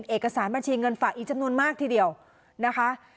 เอกสารบัญชีเงินฝากอีกจำนวนมากทีเดียวนะคะ